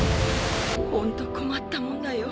ホント困ったもんだよ。